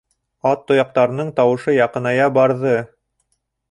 Ат тояҡтарының тауышы яҡыная барҙы.